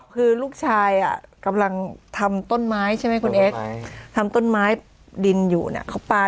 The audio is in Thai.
คุยั่งมีดเตรียหมายมายนี่นะ